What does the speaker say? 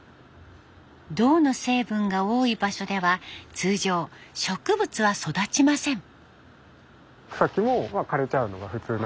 銅の成分が多い場所では通常植物は育ちません。